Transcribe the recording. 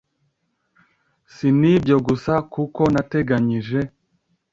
si n’ibyo gusa kuko nateganyije